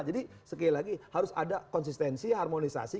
jadi sekali lagi harus ada konsistensi harmonisasi